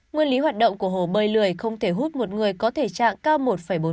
nguyên lý hoạt động của hồ bơi lười không thể hút một người có thể trạng cao một bốn